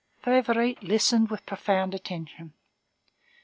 Favourite listened with profound attention.